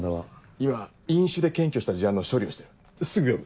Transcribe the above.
今飲酒で検挙した事案の処理をしてるすぐ呼ぶ。